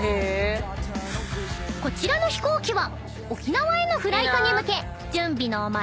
［こちらの飛行機は］